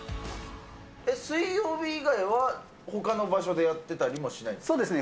水曜日以外ではほかの場所でやってたりもしないんですか。